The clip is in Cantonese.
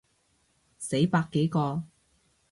死百幾個